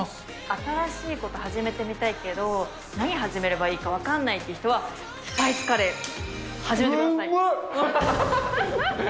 新しい始めてみたいけど、何始めればいいか分かんないっていう人は、スパイスカレー始めてうめっ！